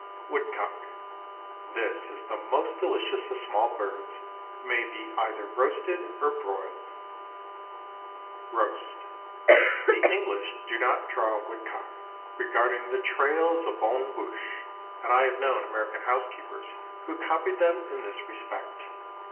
WOODCOCK. This is the most delicious of small birds, and may be either roasted or broiled. Roast. The English do not draw woodcock, regarding the trail as a bonne bouche, and I have known American housekeepers who copied them in this respect.